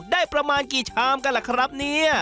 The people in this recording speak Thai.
ได้ประมาณกี่ชามกันล่ะครับเนี่ย